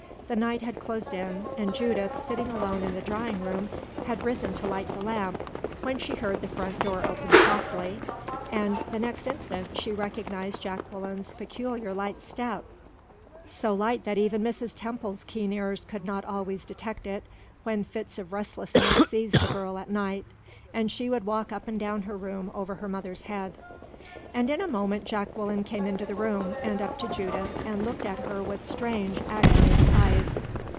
The night had closed in, and Judith, sitting alone in the drawing room, had risen to light the lamp, when she heard the front door open softly, and the next instant she recognized Jacqueline's peculiar light step so light that even Mrs. Temple's keen ears could not always detect it when fits of restlessness seized the girl at night, and she would walk up and down her room over her mother's head. And in a moment Jacqueline came into the room, and up to Judith, and looked at her with strange, agonized eyes.